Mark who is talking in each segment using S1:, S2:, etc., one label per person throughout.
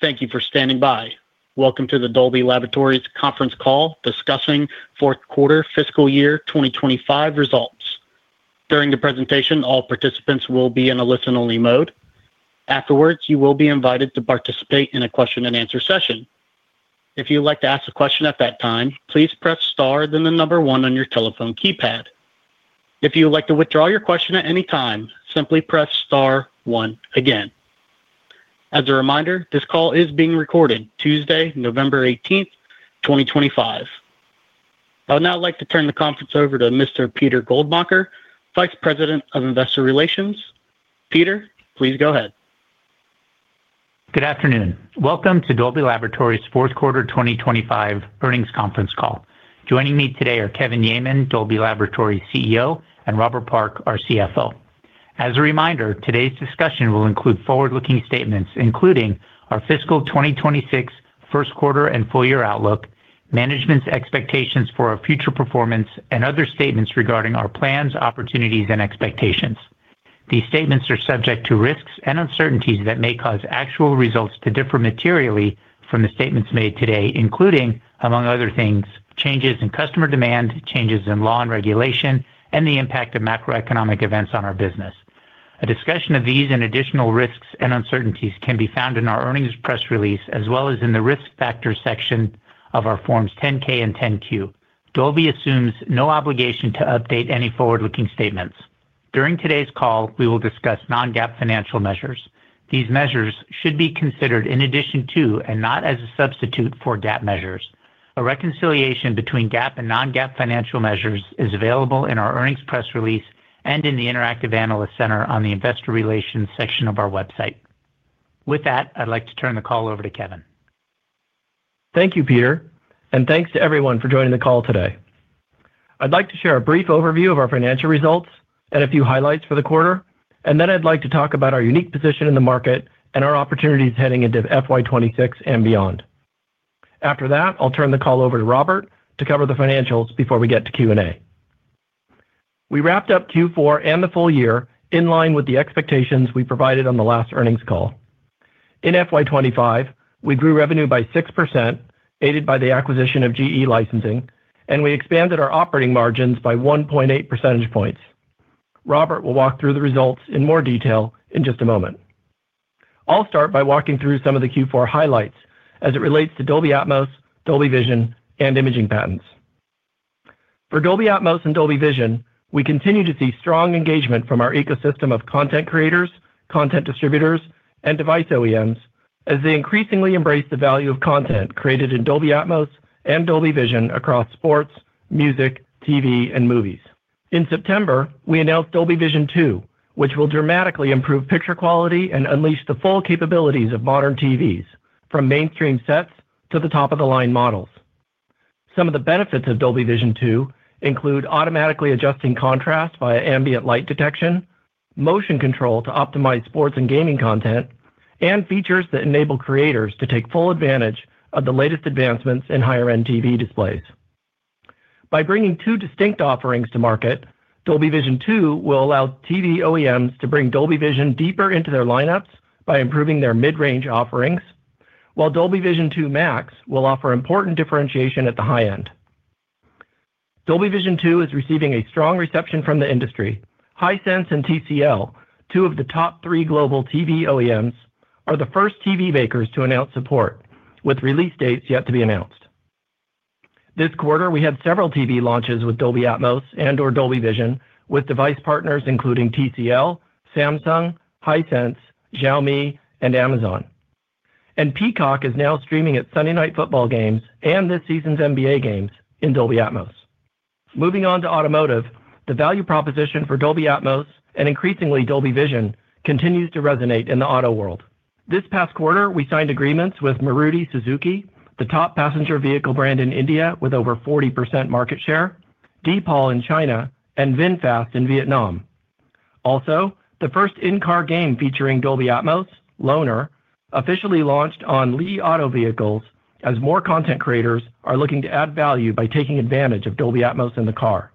S1: Thank you for standing by. Welcome to the Dolby Laboratories conference call discussing fourth quarter fiscal year 2025 results. During the presentation, all participants will be in a listen-only mode. Afterwards, you will be invited to participate in a question-and-answer session. If you'd like to ask a question at that time, please press star then the number one on your telephone keypad. If you would like to withdraw your question at any time, simply press star one again. As a reminder, this call is being recorded Tuesday, November 18th, 2025. I would now like to turn the conference over to Mr. Peter Goldmacher, Vice President of Investor Relations. Peter, please go ahead.
S2: Good afternoon. Welcome to Dolby Laboratories fourth quarter 2025 earnings conference call. Joining me today are Kevin Yeaman, Dolby Laboratories CEO, and Robert Park, our CFO. As a reminder, today's discussion will include forward-looking statements, including our fiscal 2026 first quarter and full year outlook, management's expectations for our future performance, and other statements regarding our plans, opportunities, and expectations. These statements are subject to risks and uncertainties that may cause actual results to differ materially from the statements made today, including, among other things, changes in customer demand, changes in law and regulation, and the impact of macroeconomic events on our business. A discussion of these and additional risks and uncertainties can be found in our earnings press release, as well as in the risk factor section of our Forms 10K and 10Q. Dolby assumes no obligation to update any forward-looking statements. During today's call, we will discuss non-GAAP financial measures. These measures should be considered in addition to, and not as a substitute for, GAAP measures. A reconciliation between GAAP and non-GAAP financial measures is available in our earnings press release and in the Interactive Analyst Center on the Investor Relations section of our website. With that, I'd like to turn the call over to Kevin.
S3: Thank you, Peter, and thanks to everyone for joining the call today. I'd like to share a brief overview of our financial results and a few highlights for the quarter, and then I'd like to talk about our unique position in the market and our opportunities heading into FY2026 and beyond. After that, I'll turn the call over to Robert to cover the financials before we get to Q&A. We wrapped up Q4 and the full year in line with the expectations we provided on the last earnings call. In FY2025, we grew revenue by 6%, aided by the acquisition of GE Licensing, and we expanded our operating margins by 1.8 percentage points. Robert will walk through the results in more detail in just a moment. I'll start by walking through some of the Q4 highlights as it relates to Dolby Atmos, Dolby Vision, and imaging patents. For Dolby Atmos and Dolby Vision, we continue to see strong engagement from our ecosystem of content creators, content distributors, and device OEMs as they increasingly embrace the value of content created in Dolby Atmos and Dolby Vision across sports, music, TV, and movies. In September, we announced Dolby Vision 2, which will dramatically improve picture quality and unleash the full capabilities of modern TVs, from mainstream sets to the top-of-the-line models. Some of the benefits of Dolby Vision 2 include automatically adjusting contrast via ambient light detection, motion control to optimize sports and gaming content, and features that enable creators to take full advantage of the latest advancements in higher-end TV displays. By bringing two distinct offerings to market, Dolby Vision 2 will allow TV OEMs to bring Dolby Vision deeper into their lineups by improving their mid-range offerings, while Dolby Vision 2 Max will offer important differentiation at the high end. Dolby Vision 2 is receiving a strong reception from the industry. Hisense and TCL, two of the top three global TV OEMs, are the first TV makers to announce support, with release dates yet to be announced. This quarter, we had several TV launches with Dolby Atmos and/or Dolby Vision, with device partners including TCL, Samsung, Hisense, Xiaomi, and Amazon. Peacock is now streaming at Sunday night football games and this season's NBA games in Dolby Atmos. Moving on to automotive, the value proposition for Dolby Atmos and increasingly Dolby Vision continues to resonate in the auto world. This past quarter, we signed agreements with Maruti Suzuki, the top passenger vehicle brand in India with over 40% market share, DEEPAL in China, and VinFast in Vietnam. Also, the first in-car game featuring Dolby Atmos, Loner, officially launched on Li Auto vehicles as more content creators are looking to add value by taking advantage of Dolby Atmos in the car.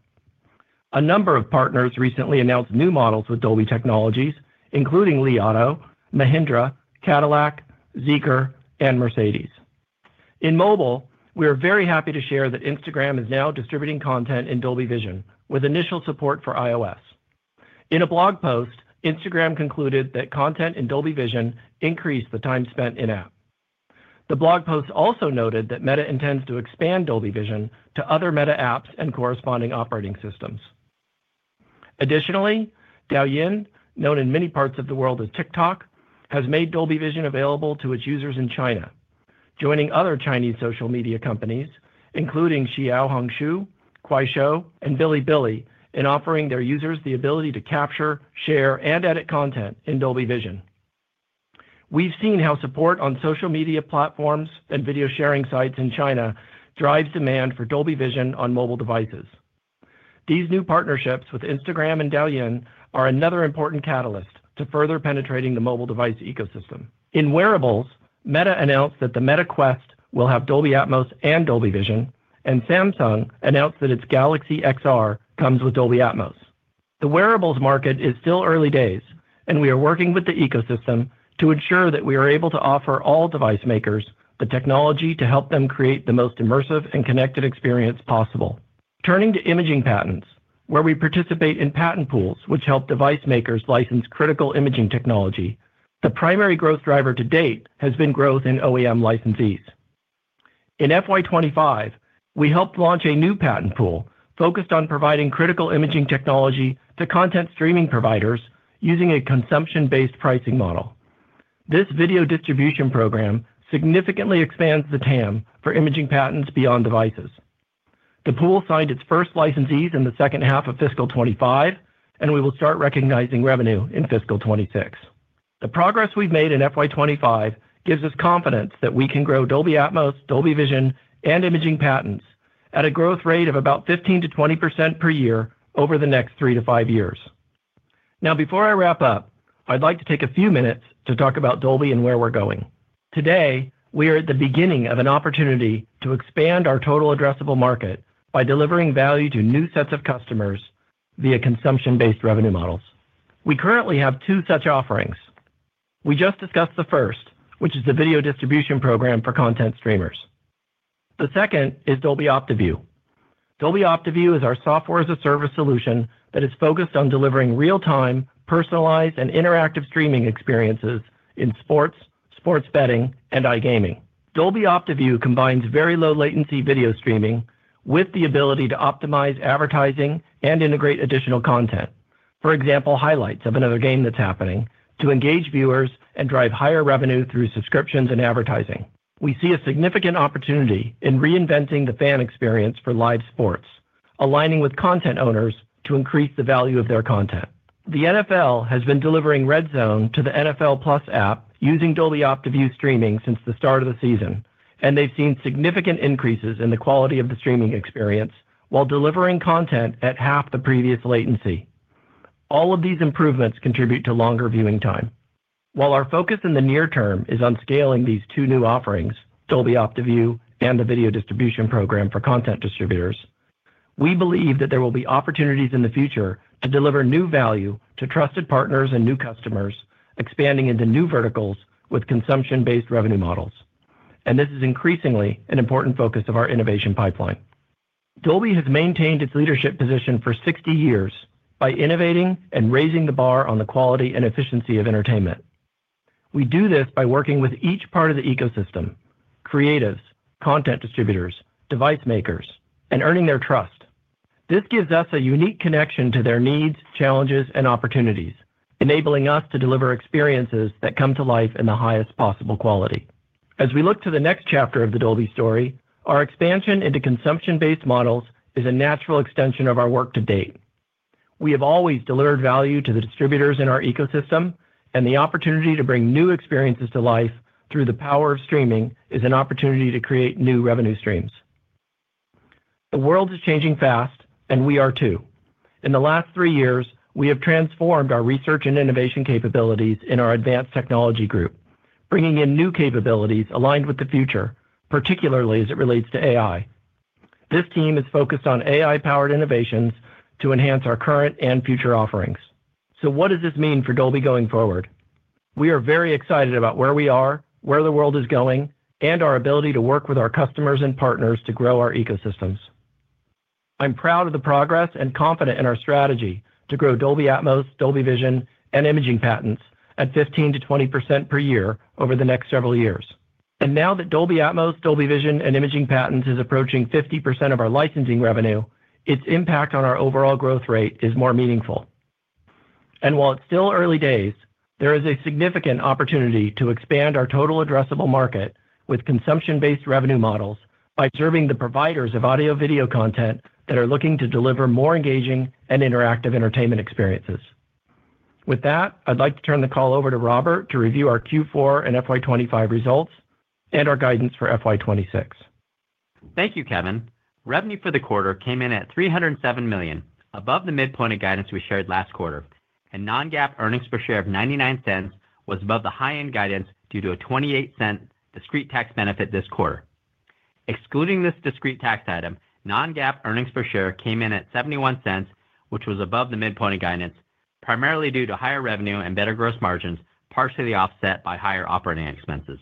S3: A number of partners recently announced new models with Dolby technologies, including Li Auto, Mahindra, Cadillac, Zeekr, and Mercedes. In mobile, we are very happy to share that Instagram is now distributing content in Dolby Vision with initial support for iOS. In a blog post, Instagram concluded that content in Dolby Vision increased the time spent in-app. The blog post also noted that Meta intends to expand Dolby Vision to other Meta apps and corresponding operating systems. Additionally, Douyin, known in many parts of the world as TikTok, has made Dolby Vision available to its users in China, joining other Chinese social media companies, including Xiaohongshu, Kuaishou, and Bilibili, in offering their users the ability to capture, share, and edit content in Dolby Vision. We have seen how support on social media platforms and video sharing sites in China drives demand for Dolby Vision on mobile devices. These new partnerships with Instagram and Douyin are another important catalyst to further penetrating the mobile device ecosystem. In wearables, Meta announced that the Meta Quest will have Dolby Atmos and Dolby Vision, and Samsung announced that its Galaxy XR comes with Dolby Atmos. The wearables market is still early days, and we are working with the ecosystem to ensure that we are able to offer all device makers the technology to help them create the most immersive and connected experience possible. Turning to imaging patents, where we participate in patent pools which help device makers license critical imaging technology, the primary growth driver to date has been growth in OEM licensees. In fiscal 2025, we helped launch a new patent pool focused on providing critical imaging technology to content streaming providers using a consumption-based pricing model. This video distribution program significantly expands the TAM for imaging patents beyond devices. The pool signed its first licensees in the second half of fiscal 2025, and we will start recognizing revenue in fiscal 2026. The progress we've made in FY2025 gives us confidence that we can grow Dolby Atmos, Dolby Vision, and imaging patents at a growth rate of about 15%-20% per year over the next three to five years. Now, before I wrap up, I'd like to take a few minutes to talk about Dolby and where we're going. Today, we are at the beginning of an opportunity to expand our total addressable market by delivering value to new sets of customers via consumption-based revenue models. We currently have two such offerings. We just discussed the first, which is the video distribution program for content streamers. The second is Dolby OptiView. Dolby OptiView is our software-as-a-service solution that is focused on delivering real-time, personalized, and interactive streaming experiences in sports, sports betting, and iGaming. Dolby OptiView combines very low-latency video streaming with the ability to optimize advertising and integrate additional content, for example, highlights of another game that is happening, to engage viewers and drive higher revenue through subscriptions and advertising. We see a significant opportunity in reinventing the fan experience for live sports, aligning with content owners to increase the value of their content. The NFL has been delivering RedZone to the NFL+ app using Dolby OptiView streaming since the start of the season, and they have seen significant increases in the quality of the streaming experience while delivering content at half the previous latency. All of these improvements contribute to longer viewing time. While our focus in the near term is on scaling these two new offerings, Dolby OptiView and the video distribution program for content distributors, we believe that there will be opportunities in the future to deliver new value to trusted partners and new customers, expanding into new verticals with consumption-based revenue models. This is increasingly an important focus of our innovation pipeline. Dolby has maintained its leadership position for 60 years by innovating and raising the bar on the quality and efficiency of entertainment. We do this by working with each part of the ecosystem: creatives, content distributors, device makers, and earning their trust. This gives us a unique connection to their needs, challenges, and opportunities, enabling us to deliver experiences that come to life in the highest possible quality. As we look to the next chapter of the Dolby story, our expansion into consumption-based models is a natural extension of our work to date. We have always delivered value to the distributors in our ecosystem, and the opportunity to bring new experiences to life through the power of streaming is an opportunity to create new revenue streams. The world is changing fast, and we are too. In the last three years, we have transformed our research and innovation capabilities in our advanced technology group, bringing in new capabilities aligned with the future, particularly as it relates to AI. This team is focused on AI-powered innovations to enhance our current and future offerings. What does this mean for Dolby going forward? We are very excited about where we are, where the world is going, and our ability to work with our customers and partners to grow our ecosystems. I'm proud of the progress and confident in our strategy to grow Dolby Atmos, Dolby Vision, and imaging patents at 15%-20% per year over the next several years. Now that Dolby Atmos, Dolby Vision, and imaging patents is approaching 50% of our licensing revenue, its impact on our overall growth rate is more meaningful. While it's still early days, there is a significant opportunity to expand our total addressable market with consumption-based revenue models by serving the providers of audio-video content that are looking to deliver more engaging and interactive entertainment experiences. With that, I'd like to turn the call over to Robert to review our Q4 and FY2025 results and our guidance for FY2026.
S4: Thank you, Kevin. Revenue for the quarter came in at $307 million, above the midpoint of guidance we shared last quarter, and non-GAAP earnings per share of $0.99 was above the high-end guidance due to a $0.28 discrete tax benefit this quarter. Excluding this discrete tax item, non-GAAP earnings per share came in at $0.71, which was above the midpoint of guidance, primarily due to higher revenue and better gross margins, partially offset by higher operating expenses.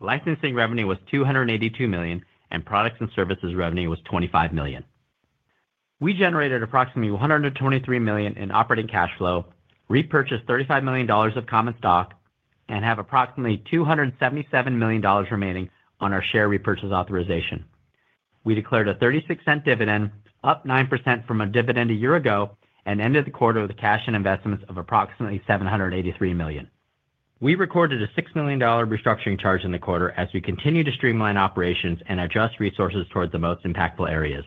S4: Licensing revenue was $282 million, and products and services revenue was $25 million. We generated approximately $123 million in operating cash flow, repurchased $35 million of common stock, and have approximately $277 million remaining on our share repurchase authorization. We declared a $0.36 dividend, up 9% from a dividend a year ago, and ended the quarter with cash and investments of approximately $783 million. We recorded a $6 million restructuring charge in the quarter as we continue to streamline operations and adjust resources towards the most impactful areas.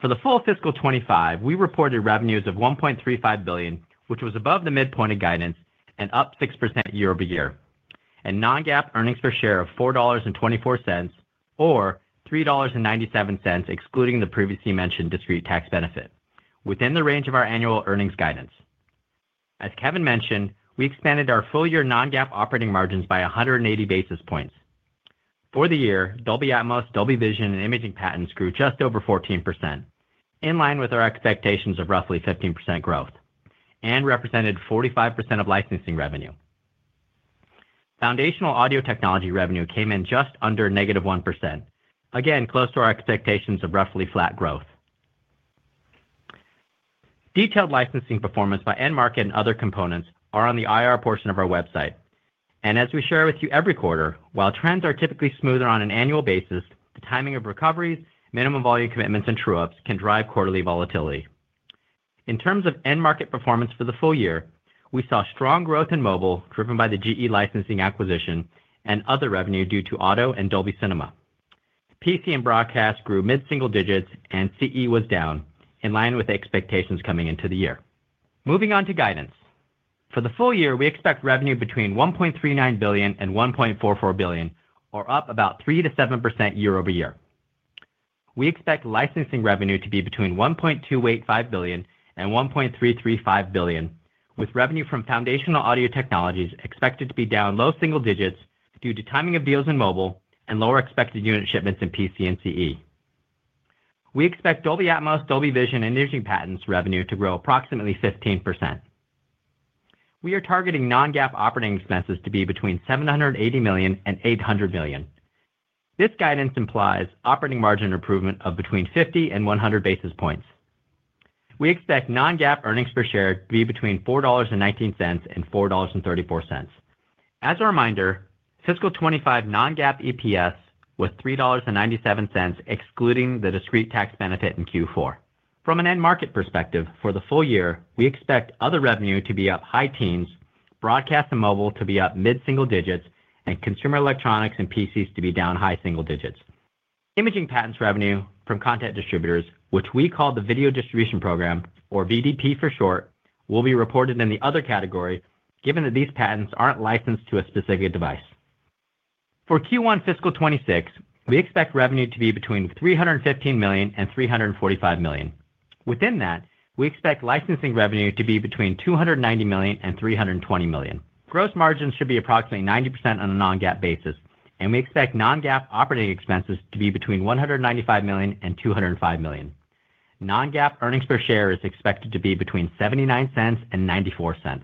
S4: For the full fiscal 2025, we reported revenues of $1.35 billion, which was above the midpoint of guidance and up 6% year-over- year, and non-GAAP earnings per share of $4.24 or $3.97, excluding the previously mentioned discrete tax benefit, within the range of our annual earnings guidance. As Kevin mentioned, we expanded our full-year non-GAAP operating margins by 180 basis points. For the year, Dolby Atmos, Dolby Vision, and imaging patents grew just over 14%, in line with our expectations of roughly 15% growth, and represented 45% of licensing revenue. Foundational audio technology revenue came in just under negative 1%, again close to our expectations of roughly flat growth. Detailed licensing performance by end market and other components are on the IR portion of our website. As we share with you every quarter, while trends are typically smoother on an annual basis, the timing of recoveries, minimum volume commitments, and true-ups can drive quarterly volatility. In terms of end market performance for the full year, we saw strong growth in mobile driven by the GE Licensing acquisition and other revenue due to auto and Dolby Cinema. PC and broadcast grew mid-single digits, and CE was down, in line with expectations coming into the year. Moving on to guidance. For the full year, we expect revenue between $1.39 billion and $1.44 billion, or up about 3%-7% year-over-year. We expect licensing revenue to be between $1.285 billion and $1.335 billion, with revenue from foundational audio technologies expected to be down low single digits due to timing of deals in mobile and lower expected unit shipments in PC and CE. We expect Dolby Atmos, Dolby Vision, and imaging patents revenue to grow approximately 15%. We are targeting non-GAAP operating expenses to be between $780 million and $800 million. This guidance implies operating margin improvement of between 50 and 100 basis points. We expect non-GAAP earnings per share to be between $4.19 and $4.34. As a reminder, fiscal 2025 non-GAAP EPS was $3.97, excluding the discrete tax benefit in Q4. From an end market perspective, for the full year, we expect other revenue to be up high teens, broadcast and mobile to be up mid-single digits, and consumer electronics and PCs to be down high single digits. imaging patents revenue from content distributors, which we call the video distribution program, or VDP for short, will be reported in the other category, given that these patents are not licensed to a specific device. For Q1 fiscal 2026, we expect revenue to be between $315 million and $345 million. Within that, we expect licensing revenue to be between $290 million and $320 million. Gross margins should be approximately 90% on a non-GAAP basis, and we expect non-GAAP operating expenses to be between $195 million and $205 million. Non-GAAP earnings per share is expected to be between $0.79 and $0.94.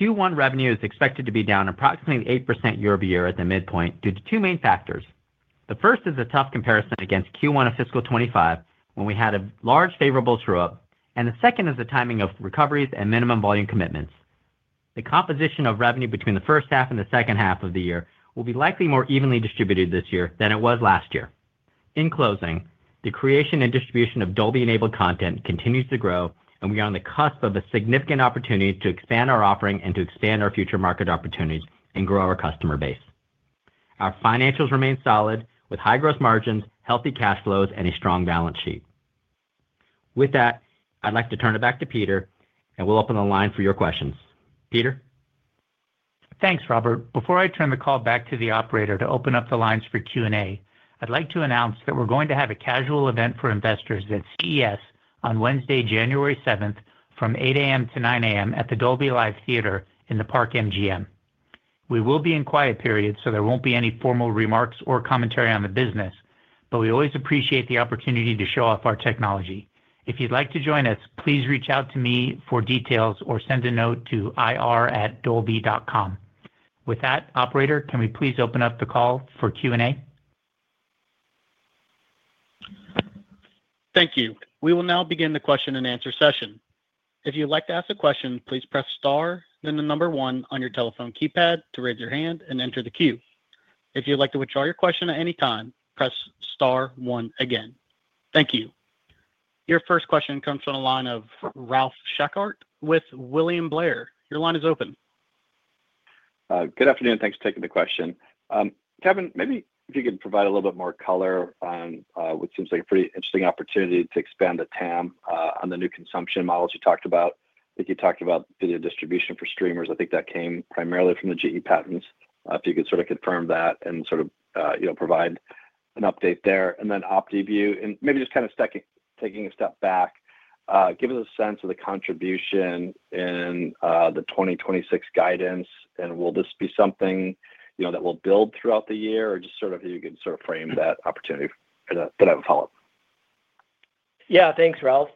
S4: Q1 revenue is expected to be down approximately 8% year over year at the midpoint due to two main factors. The first is a tough comparison against Q1 of fiscal 2025 when we had a large favorable true-up, and the second is the timing of recoveries and minimum volume commitments. The composition of revenue between the first half and the second half of the year will be likely more evenly distributed this year than it was last year. In closing, the creation and distribution of Dolby-enabled content continues to grow, and we are on the cusp of a significant opportunity to expand our offering and to expand our future market opportunities and grow our customer base. Our financials remain solid, with high gross margins, healthy cash flows, and a strong balance sheet. With that, I'd like to turn it back to Peter, and we'll open the line for your questions. Peter?
S2: Thanks, Robert. Before I turn the call back to the operator to open up the lines for Q&A, I'd like to announce that we're going to have a casual event for investors at CES on Wednesday, January 7, from 8:00 A.M. to 9:00 A.M. at the Dolby Live Theater in the Park MGM. We will be in quiet period, so there won't be any formal remarks or commentary on the business, but we always appreciate the opportunity to show off our technology. If you'd like to join us, please reach out to me for details or send a note to ir@dolby.com. With that, operator, can we please open up the call for Q&A?
S1: Thank you. We will now begin the question-and-answer session. If you'd like to ask a question, please press star, then the number one on your telephone keypad to raise your hand and enter the queue. If you'd like to withdraw your question at any time, press star, one again. Thank you. Your first question comes from the line of Ralph Schackart with William Blair. Your line is open.
S5: Good afternoon. Thanks for taking the question. Kevin, maybe if you could provide a little bit more color on what seems like a pretty interesting opportunity to expand the TAM on the new consumption models you talked about. I think you talked about video distribution for streamers. I think that came primarily from the GE Licensing patents. If you could sort of confirm that and sort of provide an update there. Then OptiView, and maybe just kind of taking a step back, give us a sense of the contribution in the 2026 guidance, and will this be something that will build throughout the year, or just sort of how you can sort of frame that opportunity for that follow-up?
S3: Yeah, thanks, Ralph.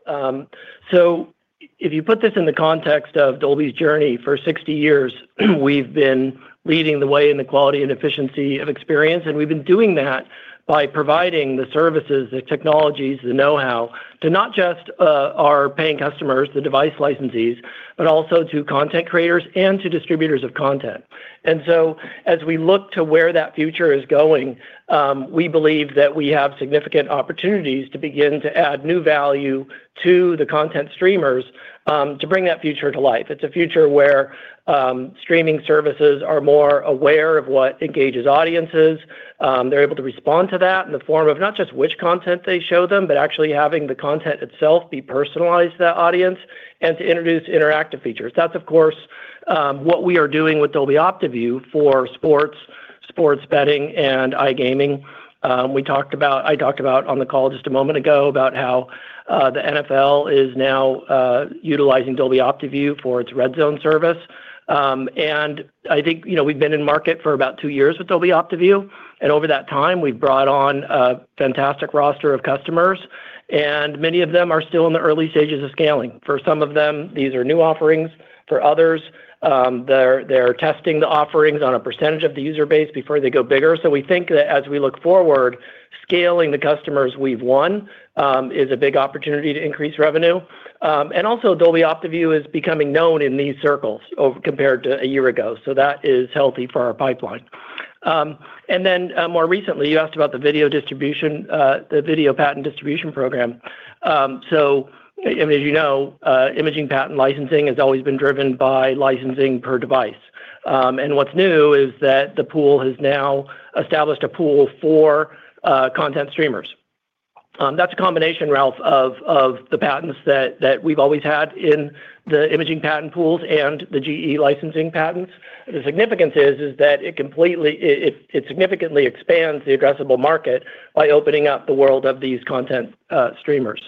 S3: If you put this in the context of Dolby's journey for 60 years, we've been leading the way in the quality and efficiency of experience, and we've been doing that by providing the services, the technologies, the know-how to not just our paying customers, the device licensees, but also to content creators and to distributors of content. As we look to where that future is going, we believe that we have significant opportunities to begin to add new value to the content streamers to bring that future to life. It's a future where streaming services are more aware of what engages audiences. They're able to respond to that in the form of not just which content they show them, but actually having the content itself be personalized to that audience and to introduce interactive features. That's, of course, what we are doing with Dolby OptiView for sports, sports betting, and iGaming. I talked about on the call just a moment ago about how the NFL is now utilizing Dolby OptiView for its RedZone service. I think we've been in market for about two years with Dolby OptiView, and over that time, we've brought on a fantastic roster of customers, and many of them are still in the early stages of scaling. For some of them, these are new offerings. For others, they're testing the offerings on a percentage of the user base before they go bigger. We think that as we look forward, scaling the customers we've won is a big opportunity to increase revenue. Also, Dolby OptiView is becoming known in these circles compared to a year ago, so that is healthy for our pipeline. More recently, you asked about the video distribution, the video patent distribution program. As you know, imaging patent licensing has always been driven by licensing per device. What's new is that the pool has now established a pool for content streamers. That's a combination, Ralph, of the patents that we've always had in the imaging patent pools and the GE Licensing patents. The significance is that it significantly expands the addressable market by opening up the world of these content streamers.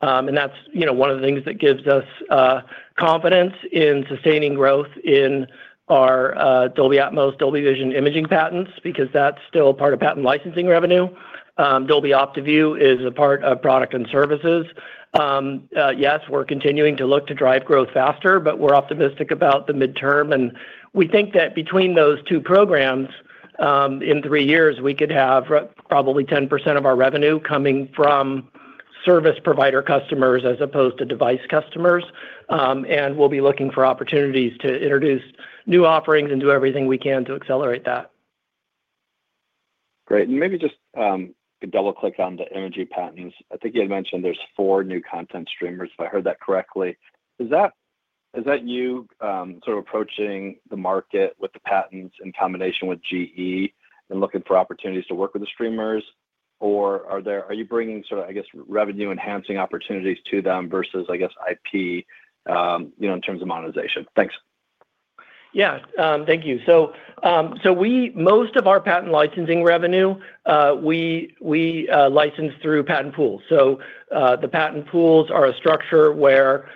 S3: That's one of the things that gives us confidence in sustaining growth in our Dolby Atmos, Dolby Vision, imaging patents, because that's still part of patent licensing revenue. Dolby OptiView is a part of product and services. Yes, we're continuing to look to drive growth faster, but we're optimistic about the midterm. We think that between those two programs, in three years, we could have probably 10% of our revenue coming from service provider customers as opposed to device customers. We will be looking for opportunities to introduce new offerings and do everything we can to accelerate that.
S5: Great. Maybe just a double click on the imaging patents. I think you had mentioned there are four new content streamers, if I heard that correctly. Is that you sort of approaching the market with the patents in combination with GE and looking for opportunities to work with the streamers, or are you bringing, I guess, revenue-enhancing opportunities to them versus, I guess, IP in terms of monetization? Thanks.
S3: Yeah, thank you. Most of our patent licensing revenue, we license through patent pools. The patent pools are a structure where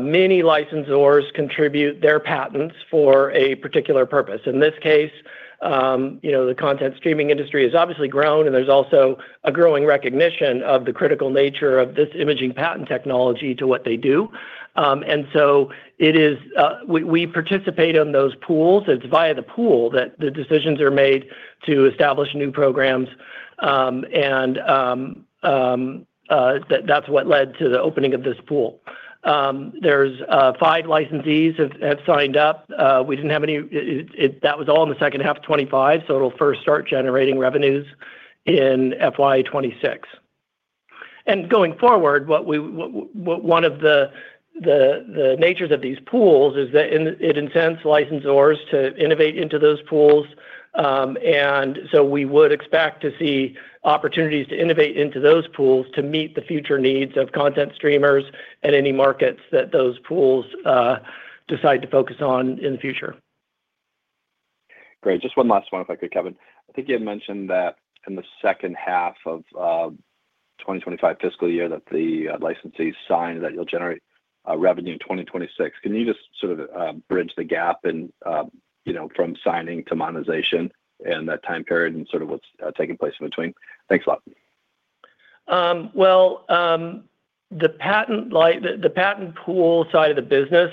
S3: many licensors contribute their patents for a particular purpose. In this case, the content streaming industry has obviously grown, and there's also a growing recognition of the critical nature of this imaging patent technology to what they do. We participate in those pools. It's via the pool that the decisions are made to establish new programs, and that's what led to the opening of this pool. There are five licensees that have signed up. We didn't have any; that was all in the second half of 2025, so it'll first start generating revenues in FY 2026. Going forward, one of the natures of these pools is that it incents licensors to innovate into those pools. We would expect to see opportunities to innovate into those pools to meet the future needs of content streamers and any markets that those pools decide to focus on in the future.
S5: Great. Just one last one, if I could, Kevin. I think you had mentioned that in the second half of 2025 fiscal year that the licensees signed that you'll generate revenue in 2026. Can you just sort of bridge the gap from signing to monetization and that time period and sort of what's taking place in between? Thanks a lot.
S3: The patent pool side of the business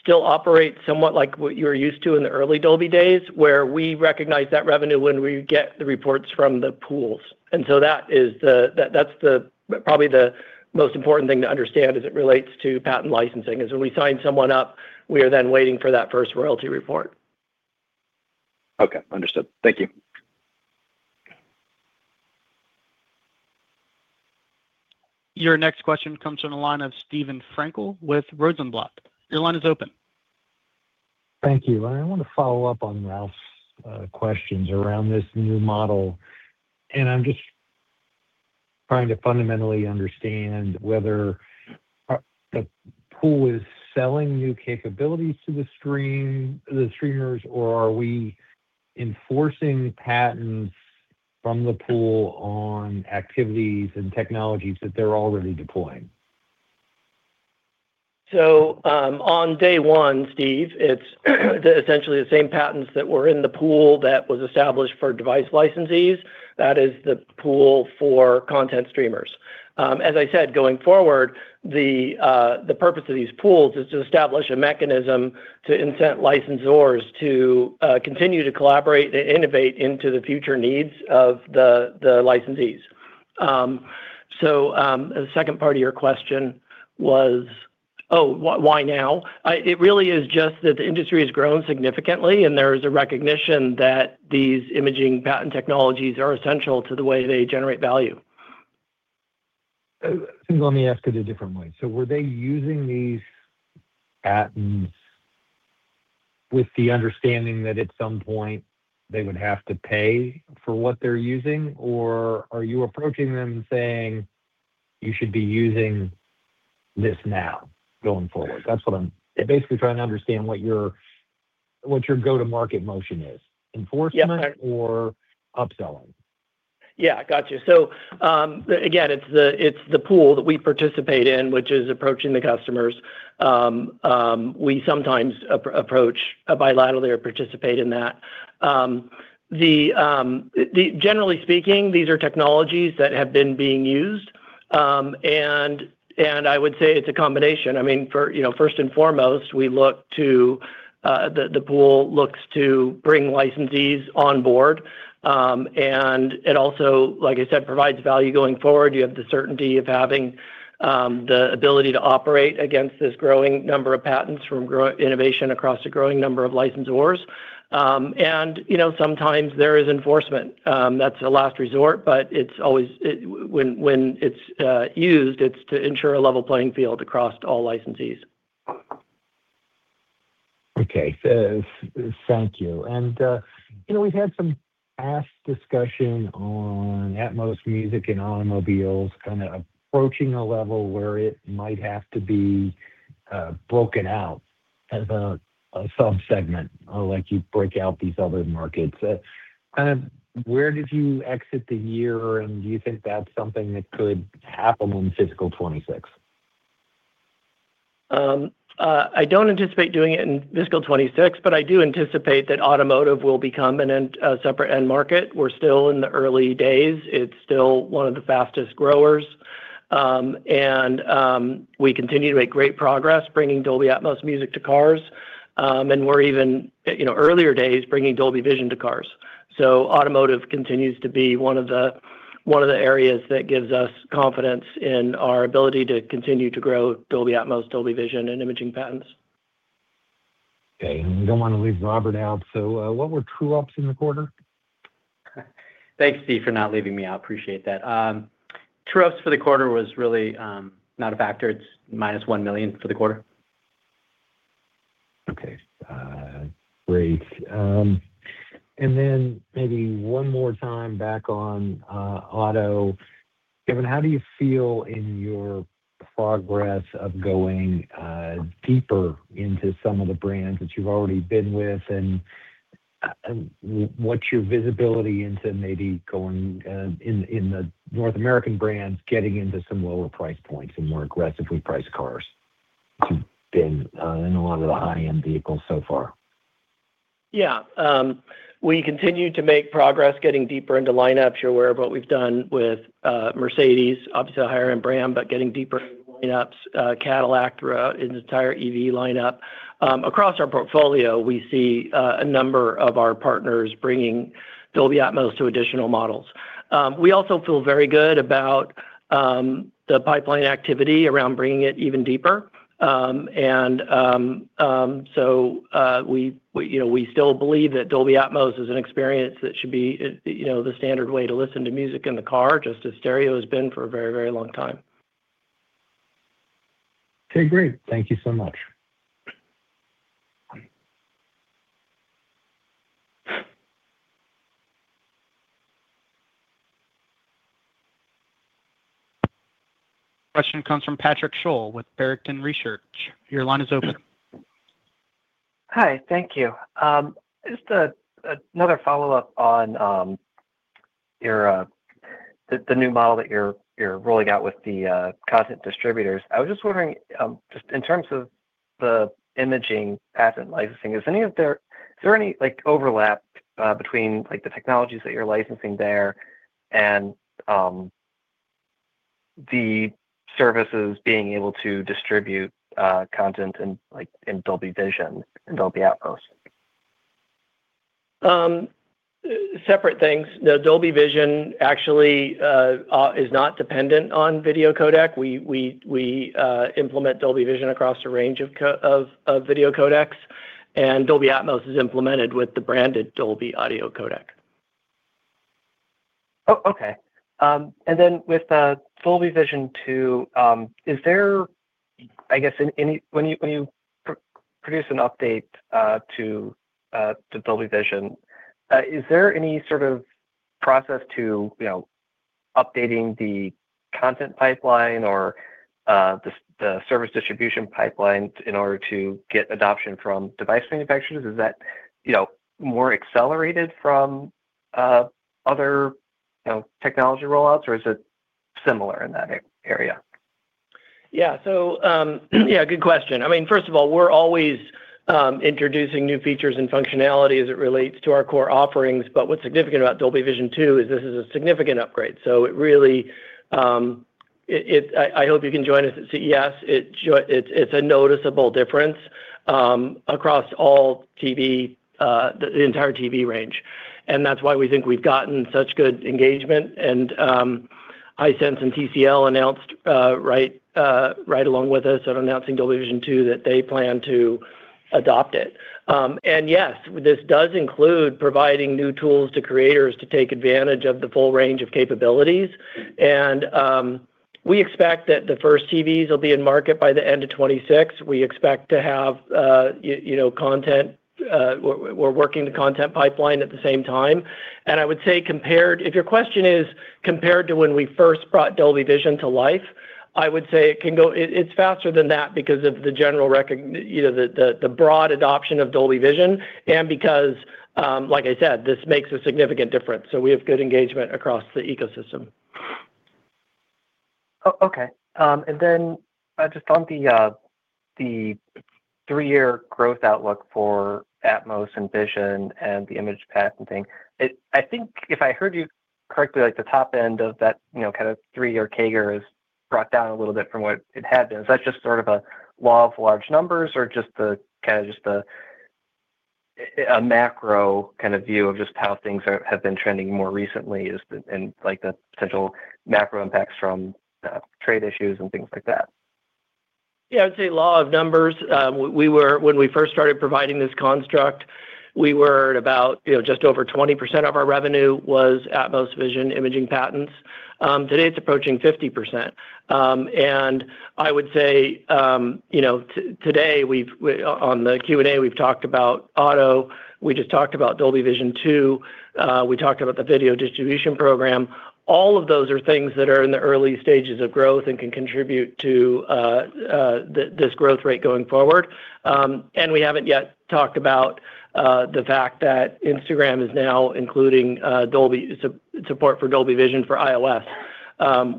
S3: still operates somewhat like what you were used to in the early Dolby days, where we recognize that revenue when we get the reports from the pools. That is probably the most important thing to understand as it relates to patent licensing, is when we sign someone up, we are then waiting for that first royalty report.
S5: Okay, understood. Thank you.
S1: Your next question comes from the line of Steve Frankel with Rosenblatt. Your line is open.
S6: Thank you. I want to follow up on Ralph's questions around this new model. I'm just trying to fundamentally understand whether the pool is selling new capabilities to the streamers, or are we enforcing patents from the pool on activities and technologies that they're already deploying?
S3: On day one, Steve, it's essentially the same patents that were in the pool that was established for device licensees. That is the pool for content streamers. As I said, going forward, the purpose of these pools is to establish a mechanism to incent licensors to continue to collaborate and innovate into the future needs of the licensees. The second part of your question was, oh, why now? It really is just that the industry has grown significantly, and there is a recognition that these imaging patent technologies are essential to the way they generate value.
S6: Let me ask it a different way. Were they using these patents with the understanding that at some point they would have to pay for what they're using, or are you approaching them saying, "You should be using this now going forward"? That's what I'm basically trying to understand, what your go-to-market motion is, enforcement or upselling?
S3: Yeah, gotcha. Again, it's the pool that we participate in, which is approaching the customers. We sometimes approach bilaterally or participate in that. Generally speaking, these are technologies that have been being used, and I would say it's a combination. I mean, first and foremost, the pool looks to bring licensees on board, and it also, like I said, provides value going forward. You have the certainty of having the ability to operate against this growing number of patents from innovation across a growing number of licensors. Sometimes there is enforcement. That's a last resort, but when it's used, it's to ensure a level playing field across all licensees.
S6: Okay, thank you. We have had some past discussion on Atmos music and automobiles kind of approaching a level where it might have to be broken out as a subsegment, like you break out these other markets. Kind of where did you exit the year, and do you think that is something that could happen in fiscal 2026?
S3: I don't anticipate doing it in fiscal 2026, but I do anticipate that automotive will become a separate end market. We're still in the early days. It's still one of the fastest growers. We continue to make great progress bringing Dolby Atmos music to cars, and we're even earlier days bringing Dolby Vision to cars. Automotive continues to be one of the areas that gives us confidence in our ability to continue to grow Dolby Atmos, Dolby Vision, and imaging patents.
S6: Okay. We do not want to leave Robert out. So what were true-ups in the quarter?
S4: Thanks, Steve, for not leaving me out. I appreciate that. True-ups for the quarter was really not a factor. It's minus $1 million for the quarter.
S6: Okay, great. Maybe one more time back on auto. Kevin, how do you feel in your progress of going deeper into some of the brands that you've already been with, and what's your visibility into maybe going in the North American brands, getting into some lower price points and more aggressively priced cars? You've been in a lot of the high-end vehicles so far.
S3: Yeah. We continue to make progress getting deeper into lineups. You're aware of what we've done with Mercedes, obviously a higher-end brand, but getting deeper into lineups, Cadillac throughout its entire EV lineup. Across our portfolio, we see a number of our partners bringing Dolby Atmos to additional models. We also feel very good about the pipeline activity around bringing it even deeper. We still believe that Dolby Atmos is an experience that should be the standard way to listen to music in the car, just as stereo has been for a very, very long time.
S6: Okay, great. Thank you so much.
S1: Question comes from Patrick Sholl with Barrington Research. Your line is open.
S7: Hi, thank you. Just another follow-up on the new model that you're rolling out with the content distributors. I was just wondering, just in terms of the imaging patent licensing, is there any overlap between the technologies that you're licensing there and the services being able to distribute content in Dolby Vision and Dolby Atmos?
S3: Separate things. Dolby Vision actually is not dependent on video codec. We implement Dolby Vision across a range of video codecs, and Dolby Atmos is implemented with the branded Dolby Audio codec.
S7: Oh, okay. With Dolby Vision 2, is there, I guess, when you produce an update to Dolby Vision, is there any sort of process to updating the content pipeline or the service distribution pipeline in order to get adoption from device manufacturers? Is that more accelerated from other technology rollouts, or is it similar in that area?
S3: Yeah. So yeah, good question. I mean, first of all, we're always introducing new features and functionality as it relates to our core offerings. What is significant about Dolby Vision 2 is this is a significant upgrade. I hope you can join us at CES. It is a noticeable difference across the entire TV range. That is why we think we've gotten such good engagement. Hisense and TCL announced right along with us at announcing Dolby Vision 2 that they plan to adopt it. Yes, this does include providing new tools to creators to take advantage of the full range of capabilities. We expect that the first TVs will be in market by the end of 2026. We expect to have content; we're working the content pipeline at the same time. I would say, if your question is compared to when we first brought Dolby Vision to life, I would say it's faster than that because of the general recognition, the broad adoption of Dolby Vision, and because, like I said, this makes a significant difference. We have good engagement across the ecosystem.
S7: Oh, okay. And then just on the three-year growth outlook for Atmos and Vision and the image patenting, I think if I heard you correctly, the top end of that kind of three-year CAGR is brought down a little bit from what it had been. Is that just sort of a law of large numbers or just kind of just a macro kind of view of just how things have been trending more recently and the potential macro impacts from trade issues and things like that?
S3: Yeah, I would say law of numbers. When we first started providing this construct, we were at about just over 20% of our revenue was Atmos Vision imaging patents. Today, it's approaching 50%. I would say today, on the Q&A, we've talked about auto. We just talked about Dolby Vision 2. We talked about the video distribution program. All of those are things that are in the early stages of growth and can contribute to this growth rate going forward. We haven't yet talked about the fact that Instagram is now including support for Dolby Vision for iOS,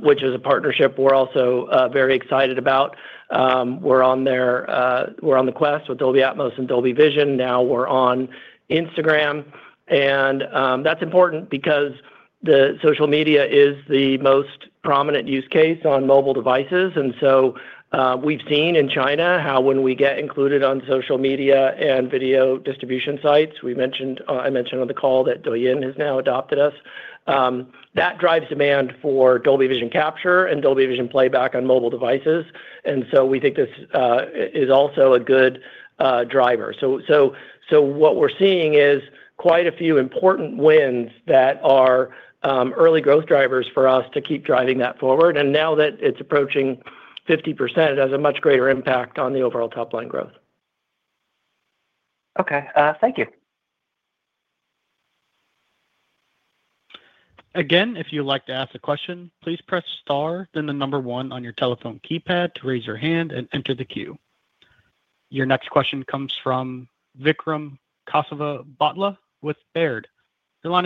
S3: which is a partnership we're also very excited about. We're on the Quest with Dolby Atmos and Dolby Vision. Now we're on Instagram. That's important because social media is the most prominent use case on mobile devices. We have seen in China how when we get included on social media and video distribution sites, I mentioned on the call that Douyin has now adopted us. That drives demand for Dolby Vision capture and Dolby Vision playback on mobile devices. We think this is also a good driver. What we are seeing is quite a few important wins that are early growth drivers for us to keep driving that forward. Now that it is approaching 50%, it has a much greater impact on the overall top-line growth.
S7: Okay, thank you.
S1: Again, if you'd like to ask a question, please press star, then the number one on your telephone keypad to raise your hand and enter the queue. Your next question comes from Vikram Kesavabhotla with Baird. Your line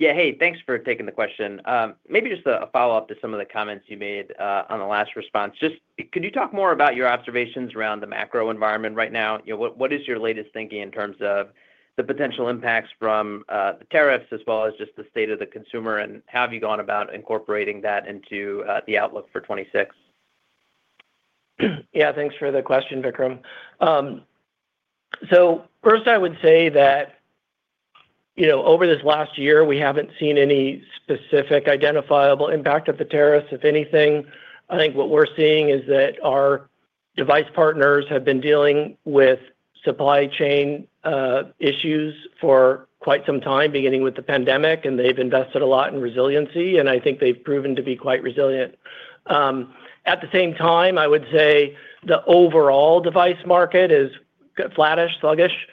S1: is open.
S8: Yeah, hey, thanks for taking the question. Maybe just a follow-up to some of the comments you made on the last response. Just could you talk more about your observations around the macro environment right now? What is your latest thinking in terms of the potential impacts from the tariffs as well as just the state of the consumer, and how have you gone about incorporating that into the outlook for 2026?
S3: Yeah, thanks for the question, Vikram. First, I would say that over this last year, we haven't seen any specific identifiable impact of the tariffs, if anything. I think what we're seeing is that our device partners have been dealing with supply chain issues for quite some time, beginning with the pandemic, and they've invested a lot in resiliency. I think they've proven to be quite resilient. At the same time, I would say the overall device market is flattish, sluggish.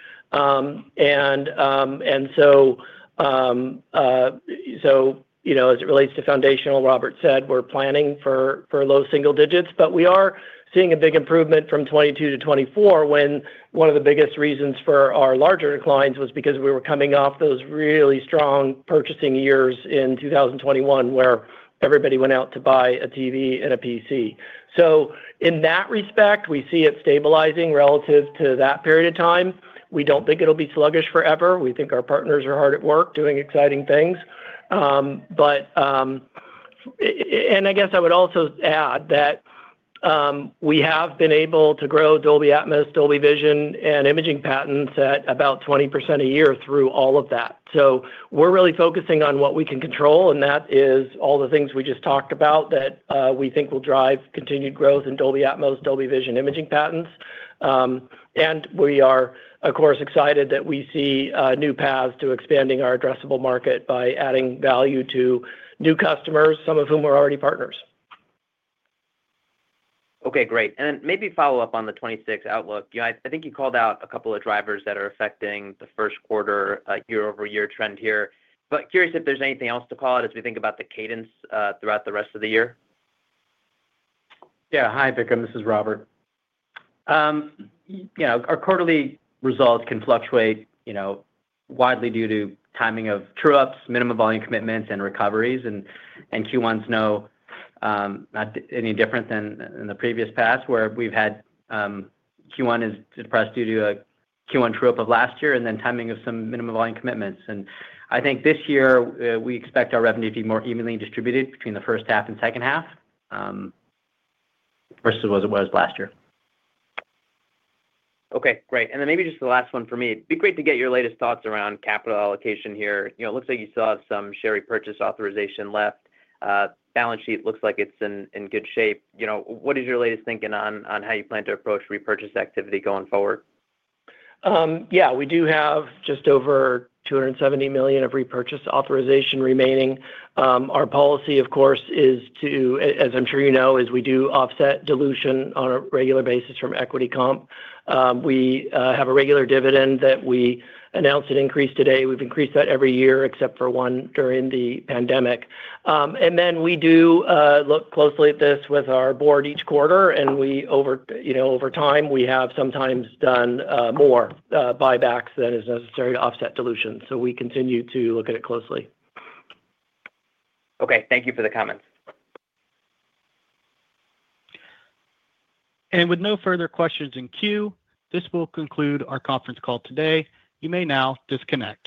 S3: As it relates to foundational, Robert said, we're planning for low single digits, but we are seeing a big improvement from 2022 to 2024, when one of the biggest reasons for our larger declines was because we were coming off those really strong purchasing years in 2021 where everybody went out to buy a TV and a PC. In that respect, we see it stabilizing relative to that period of time. We do not think it will be sluggish forever. We think our partners are hard at work doing exciting things. I guess I would also add that we have been able to grow Dolby Atmos, Dolby Vision, and imaging patents at about 20% a year through all of that. We are really focusing on what we can control, and that is all the things we just talked about that we think will drive continued growth in Dolby Atmos, Dolby Vision, imaging patents. We are, of course, excited that we see new paths to expanding our addressable market by adding value to new customers, some of whom are already partners.
S8: Okay, great. Maybe follow up on the 2026 outlook. I think you called out a couple of drivers that are affecting the first quarter year-over-year trend here. Curious if there's anything else to call out as we think about the cadence throughout the rest of the year.
S4: Yeah. Hi, Vikram. This is Robert. Our quarterly results can fluctuate widely due to timing of true-ups, minimum volume commitments, and recoveries. Q1s are not any different than the previous past, where we've had Q1s depressed due to a Q1 true-up of last year and then timing of some minimum volume commitments. I think this year, we expect our revenue to be more evenly distributed between the first half and second half versus what it was last year.
S8: Okay, great. Maybe just the last one for me. It'd be great to get your latest thoughts around capital allocation here. It looks like you saw some share repurchase authorization left. Balance sheet looks like it's in good shape. What is your latest thinking on how you plan to approach repurchase activity going forward?
S3: Yeah, we do have just over $270 million of repurchase authorization remaining. Our policy, of course, is to, as I'm sure you know, is we do offset dilution on a regular basis from equity comp. We have a regular dividend that we announced an increase today. We've increased that every year except for one during the pandemic. We do look closely at this with our board each quarter. Over time, we have sometimes done more buybacks than is necessary to offset dilution. We continue to look at it closely.
S8: Okay, thank you for the comments.
S1: With no further questions in queue, this will conclude our conference call today. You may now disconnect.